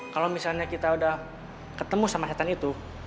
kalau misalnya kita udah ketemu sama setan itu